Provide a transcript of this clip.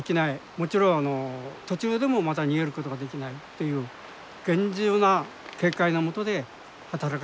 もちろん途中でもまた逃げることができないという厳重な警戒の下で働かされておりました。